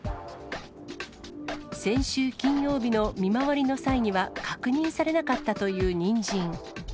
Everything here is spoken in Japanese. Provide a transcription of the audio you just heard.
先週金曜日の見回りの際には確認されなかったというニンジン。